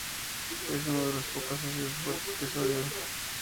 Es uno de los pocos ácidos fuertes que es sólido.